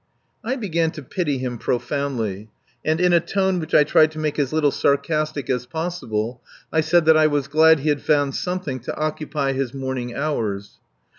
I began to pity him profoundly. And in a tone which I tried to make as little sarcastic as possible I said that I was glad he had found something to occupy his morning hours.